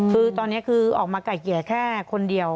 คือตอนนี้คือออกมาไก่เกลี่ยแค่คนเดียว